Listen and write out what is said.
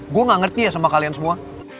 gue gak ngerti ya sama kalian semua